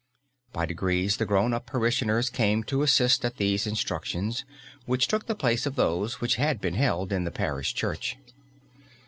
By degrees the grown up parishioners came to assist at these instructions, which took the place of those which had been held in the parish church.